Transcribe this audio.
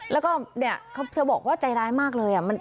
แล้วก็เนี่ยเธอบอกว่าใจร้ายมากเลย